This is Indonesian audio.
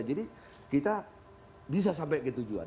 jadi kita bisa sampai ke tujuan